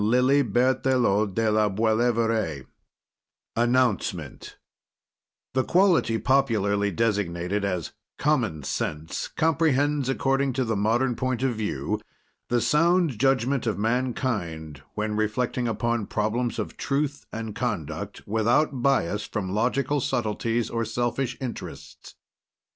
LEON J. BERTHELOT DE LA BOILEVEBIB 1916 ANNOUNCEMENT The quality popularly designated as "Common Sense" comprehends, according to the modern point of view, the sound judgment of mankind when reflecting upon problems of truth and conduct without bias from logical subtleties or selfish interests.